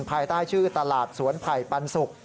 ภายใต้ชื่อตลาดสวนไผ่ปันสุก